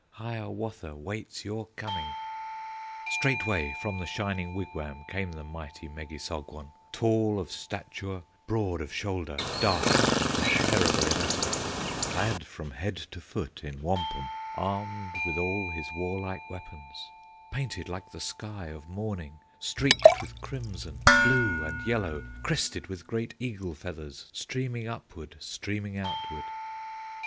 Hiawatha waits your coming!" Straightway from the Shining Wigwam Came the mighty Megissogwon, Tall of stature, broad of shoulder, Dark and terrible in aspect, Clad from head to foot in wampum, Armed with all his warlike weapons, Painted like the sky of morning, Streaked with crimson, blue, and yellow, Crested with great eagle feathers, Streaming upward, streaming outward.